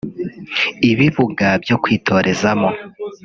ibibuga byo kwitorezamo